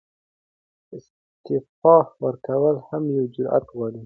استعفاء ورکول هم یو جرئت غواړي.